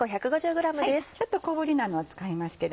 ちょっと小ぶりなのを使いますけどもね